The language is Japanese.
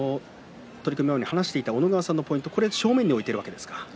取組前に話していた小野川さんのコメント正面においているわけですね。